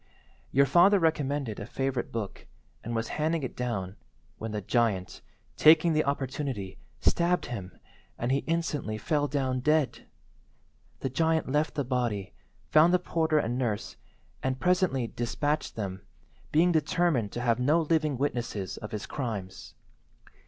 Your father recommended a favourite book, and was handing it down, when the giant, taking the opportunity, stabbed him, and he instantly fell down dead. The giant left the body, found the porter and nurse, and presently despatched them, being determined to have no living witnesses of his crimes.